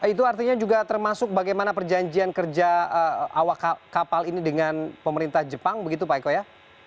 itu artinya juga termasuk bagaimana perjanjian kerja awak kapal ini dengan pemerintah jepang begitu pak eko ya